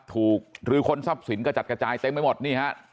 หรือคนทรัพย์สินกระจัดกระจายเต็มไปหมดนี่ฮะ